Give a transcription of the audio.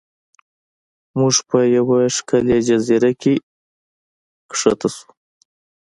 موږ په یوه ښکلې جزیره کې ښکته شو.